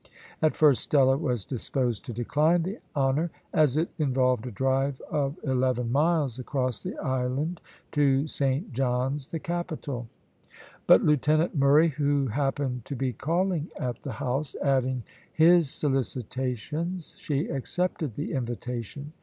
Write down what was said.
At first Stella was disposed to decline the honour, as it involved a drive of eleven miles across the island to Saint John's, the capital; but Lieutenant Murray, who happened to be calling at the house, adding his solicitations, she accepted the invitation.